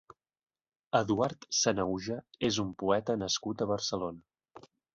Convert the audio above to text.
Eduard Sanahuja és un poeta nascut a Barcelona.